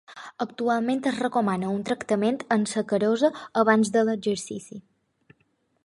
Actualment es recomana un tractament amb sacarosa abans de l'exercici.